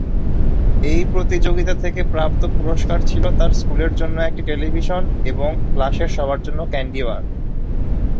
এই প্রতিযোগিতা থেকে প্রাপ্ত পুরস্কার ছিল তার স্কুলের জন্য একটি টেলিভিশন এবং ক্লাসের সবার জন্য ক্যান্ডিবার।